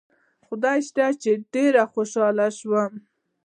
خدای شته چې ډېر خوشاله شوم.